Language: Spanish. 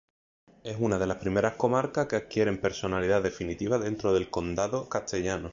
Es una de las primeras comarcas que adquieren personalidad definitiva dentro del condado castellano.